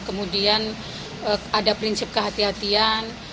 kemudian ada prinsip kehatian